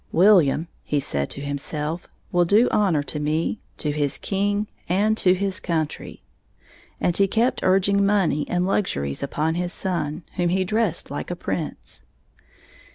"William," he said to himself, "will do honor to me, to his king, and to his country." And he kept urging money and luxuries upon his son, whom he dressed like a prince.